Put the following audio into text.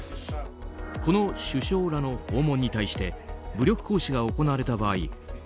この首相らの訪問に対して武力行使が行われた場合